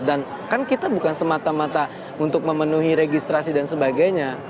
dan kan kita bukan semata mata untuk memenuhi registrasi dan sebagainya